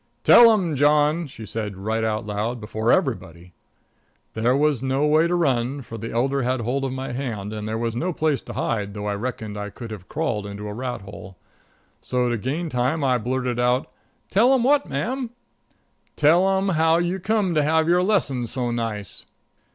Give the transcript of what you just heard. "Tell 'em, John," she said right out loud, before everybody. There was no way to run, for the Elder had hold of my hand, and there was no place to hide, though I reckon I could have crawled into a rat hole. So, to gain time, I blurted out: "Tell 'em what, mam?" "Tell 'em how you come to have your lesson so nice."